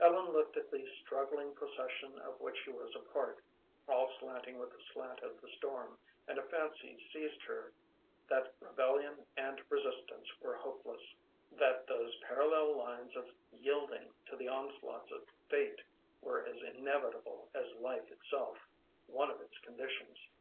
Ellen looked at the struggling procession of which she was a part, all slanting with the slant of the storm, and a fancy seized her that rebellion and resistance were hopeless, that those parallel lines of yielding to the onslaughts of fate were as inevitable as life itself, one of its conditions.